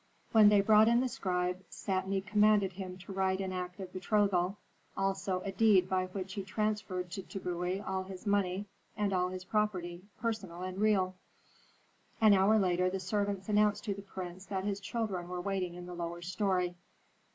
When they brought in the scribe, Satni commanded him to write an act of betrothal, also a deed by which he transferred to Tbubui all his money, and all his property, personal and real. "An hour later the servants announced to the prince that his children were waiting in the lower story.